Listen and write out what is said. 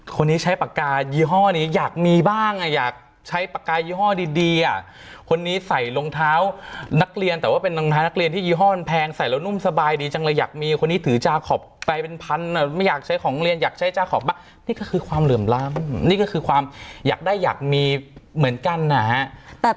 คนนี้ใช้ปากกายี่ห้อนี้อยากมีบ้างอ่ะอยากใช้ปากกายี่ห้อดีอ่ะคนนี้ใส่รองเท้านักเรียนแต่ว่าเป็นรองเท้านักเรียนที่ยี่ห้อมันแพงใส่แล้วนุ่มสบายดีจังเลยอยากมีคนนี้ถือจาขอบไปเป็นพันอ่ะไม่อยากใช้ของเรียนอยากใช้จ้าขอบบ้างนี่ก็คือความเหลื่อมล้ำนี่ก็คือความอยากได้อยากมีเหมือนกันนะฮะ